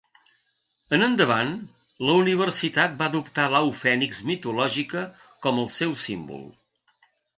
En endavant, la universitat va adoptar l'au fènix mitològica com el seu símbol.